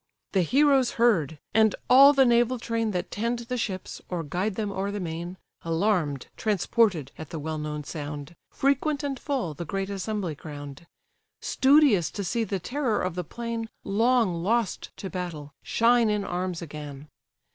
The heroes heard, and all the naval train That tend the ships, or guide them o'er the main, Alarm'd, transported, at the well known sound, Frequent and full, the great assembly crown'd; Studious to see the terror of the plain, Long lost to battle, shine in arms again.